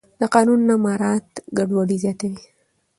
د قانون نه مراعت ګډوډي زیاتوي